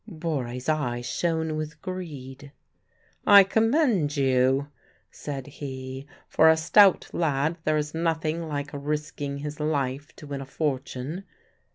Borre's eyes shone with greed. "I commend you," said he; "for a stout lad there is nothing like risking his life to win a fortune.